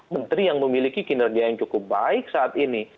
menteri yang memiliki kinerja yang cukup baik saat ini